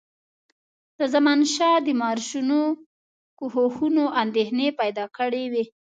د زمانشاه د مارشونو کوښښونو اندېښنې پیدا کړي وې.